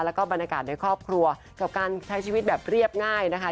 แล้วก็บรรยากาศในครอบครัวกับการใช้ชีวิตแบบเรียบง่ายนะคะ